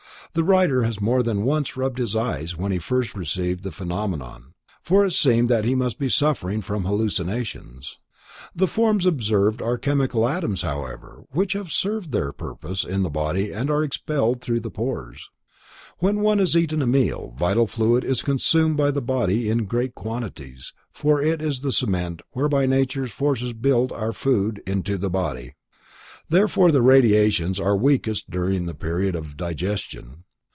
The writer has more than once rubbed his eyes when he first perceived the phenomenon, for it seemed that he must be suffering from hallucinations. The forms observed are chemical atoms however, which have served their purpose in the body and are expelled through the pores. When one has eaten a meal, vital fluid is consumed by the body in great quantities, for it is the cement whereby nature's forces build our food into the body. Therefore the radiations are weakest during the period of digestion.